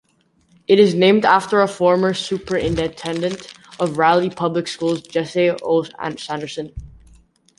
It is named after a former superintendent of Raleigh public schools Jesse O. Sanderson.